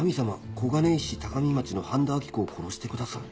小金井市高見町の半田章子を殺してください！！